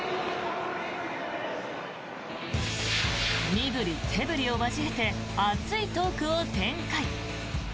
身ぶり手ぶりを交えて熱いトークを展開。